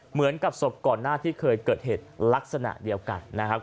เหมือนกับศพก่อนหน้าที่เคยเกิดเหตุลักษณะเดียวกันนะครับ